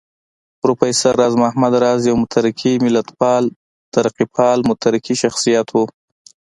پروفېسر راز محمد راز يو مترقي ملتپال، ترقيپال مترقي شخصيت و